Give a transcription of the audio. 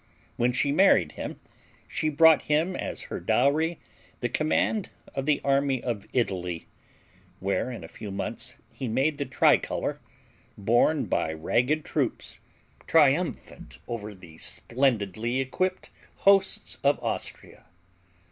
When she married him she brought him as her dowry the command of the army of Italy, where in a few months he made the tri color, borne by ragged troops, triumphant over the splendidly equipped hosts of Austria.